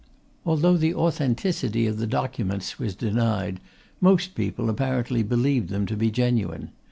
Although the authenticity of the documents was denied, most people, apparently, believed them to be genuine.